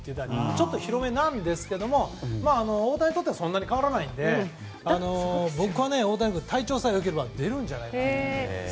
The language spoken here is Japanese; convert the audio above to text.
ちょっと広めなんですけど大谷にとってはそんなに変わらないので僕は大谷君は体調さえ良ければ出るんじゃないかと。